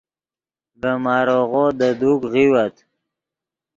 ڤے ماریغو دے دوک غیوت